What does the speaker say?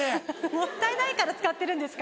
もったいないからつかってるんですか？